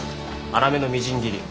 粗めのみじん切り。